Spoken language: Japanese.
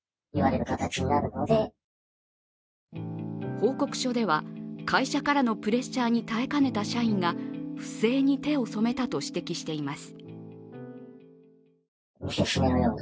報告書では会社からのプレッシャーに耐えかねた社員が不正に手を染めたと指摘しています。